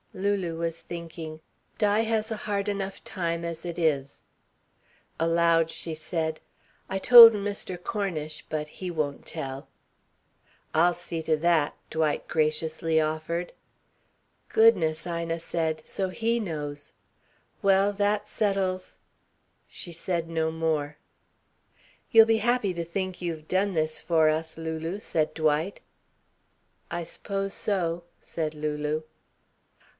Lulu was thinking: "Di has a hard enough time as it is." Aloud she said: "I told Mr. Cornish, but he won't tell." "I'll see to that," Dwight graciously offered. "Goodness," Ina said, "so he knows. Well, that settles " She said no more. "You'll be happy to think you've done this for us, Lulu," said Dwight. "I s'pose so," said Lulu.